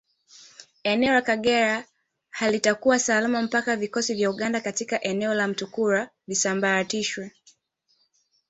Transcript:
Eneo la Kagera halitakuwa salama mpaka vikosi vya Uganda katika eneo la Mutukula visambaratishwe